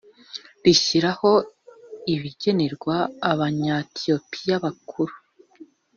rishyiraho ibigenerwa Abanyapolitiki Bakuru